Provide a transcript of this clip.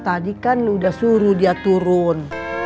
tadi kan lo udah suruh dia turun